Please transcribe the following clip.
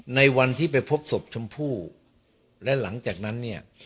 ในวันที่ไปพบศพชมพู่และหลังจากนั้นเนี่ย